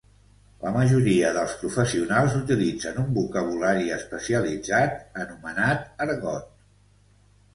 La majoria dels professionals utilitzen un vocabulari especialitzat anomenat argot.